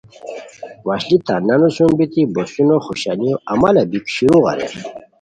وشلی تان نانو سُم بیتی بوسونو خوشانیو امالہ بیک شروع اریر